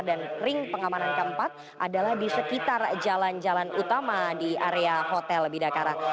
dan ring pengamanan keempat adalah di sekitar jalan jalan utama di area hotel bidakara